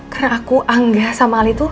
karena aku anggah sama alih itu